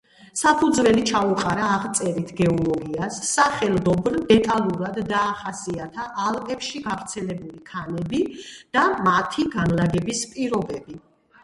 საფუძველი ჩაუყარა აღწერით გეოლოგიას, სახელდობრ: დეტალურად დაახასიათა ალპებში გავრცელებული ქანები და მათი განლაგების პირობები.